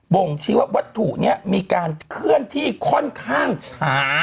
่งชี้ว่าวัตถุนี้มีการเคลื่อนที่ค่อนข้างช้า